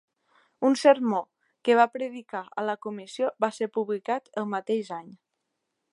Un sermó que va predicar a la comissió va ser publicat el mateix anys.